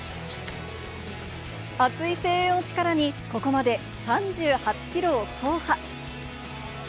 熱い声援を力に、ここまで３８キロを走破。